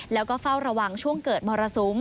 แล้วก็เฝ้าระวังช่วงเกิดมรสุม